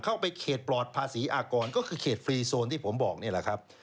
เข้าไปเขตปลอดภาษีอากรก็คือเขตฟรีโซนที่ผมบอกนี่แหละครับ